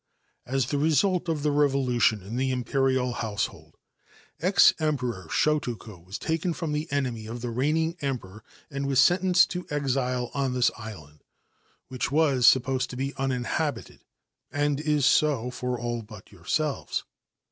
* the result of the revolution in tht Imperial Househo ex Emperor Shutoku was taken for the enemy of 1 reigning Emperor, and was sentenced to exile on t island, which was supposed to be uninhabited, and is for all but yourselves.